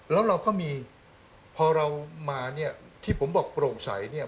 แล้วเราก็มีพอเรามาที่ผมบอกโปร่งใส